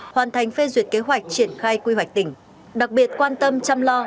hoàn thành phê duyệt kế hoạch triển khai quy hoạch tỉnh đặc biệt quan tâm chăm lo